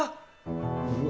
うわ。